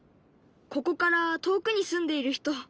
ここから遠くに住んでいる人。